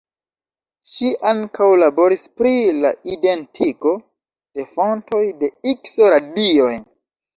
Ŝi ankaŭ laboris pri la identigo de fontoj de ikso-radioj.